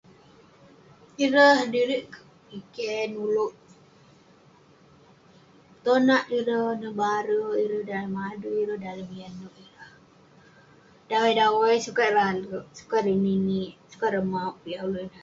Ireh dirik piken uleuk. Tonak ireh, nebarek ireh dalem adui ireh, dalem yah neuk ireh. Dawai-dawai sukat ireh alek, sukat ireh ninik, sukat ireh mauk piak uleuk ineh.